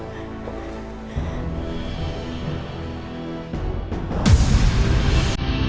tidak ada yang lebih penting